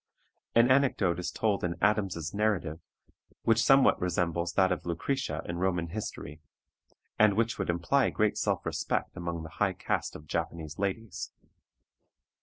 An anecdote is told in Adams's narrative which somewhat resembles that of Lucretia in Roman history, and which would imply great self respect among the high caste of Japanese ladies.